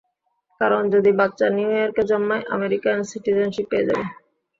কারন যদি বাচ্চা নিউ ইয়র্কে জন্মায়, আমিরিকান সিটিজেনশিপ পেয়ে যাবো।